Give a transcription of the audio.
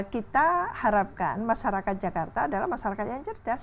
kita harapkan masyarakat jakarta adalah masyarakat yang cerdas